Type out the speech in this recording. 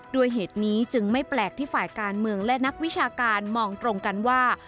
ด้วยเหตุนี้จึงไม่แปลกที่ฝ่ายการเมืองและนักวิชาการมองตรงกันว่า